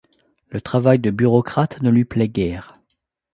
Le travail de bureaucrate ne lui plaît guère.